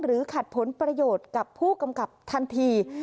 ขัดผลประโยชน์กับผู้กำกับทันที